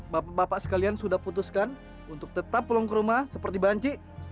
bapak bapak sekalian sudah putuskan untuk tetap pulang ke rumah seperti banci